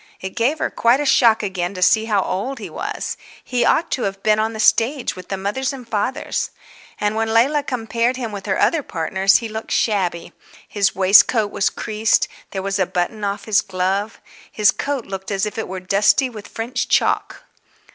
It gave her quite a shock again to see how old he was; he ought to have been on the stage with the fathers and mothers. And when Leila compared him with her other partners he looked shabby. His waistcoat was creased, there was a button off his glove, his coat looked as if it was dusty with French chalk.